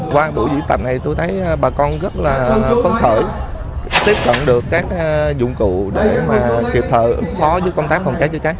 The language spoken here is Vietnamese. qua buổi diễn tập này tôi thấy bà con rất là phấn khởi tiếp cận được các dụng cụ để kịp thợ ứng phó với công tác phòng cháy chữa cháy